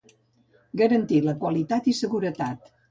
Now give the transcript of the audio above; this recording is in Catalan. Garantir la qualitat i seguretat.